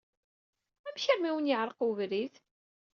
Amek armi i wen-yeɛṛeq webrid?